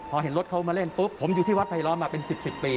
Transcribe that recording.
พอเห็นรถเขามาเล่นปุ๊บผมอยู่ที่วัดไผลล้อมมาเป็น๑๐ปี